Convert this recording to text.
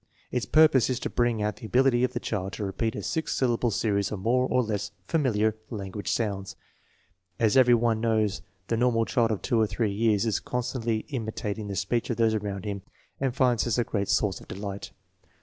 Its purpose is to bring out the ability of the child to repeat a six sylla ble series of more or less familiar language sounds. As every one knows, the normal child of % or 3 years is con stantly imitating the speech of those around him and finds this a great source of delight.